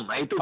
nah itu kan